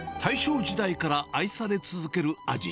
大正時代から愛され続ける味。